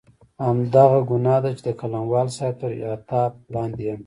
همدغه ګناه ده چې د قلموال صاحب تر عتاب لاندې یم.